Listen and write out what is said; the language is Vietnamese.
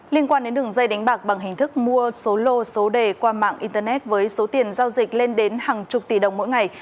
liên quan đến đường dây đánh bạc bằng hình thức mua số lô số đề qua mạng internet với số tiền giao dịch lên đến hàng chục tỷ đồng mỗi ngày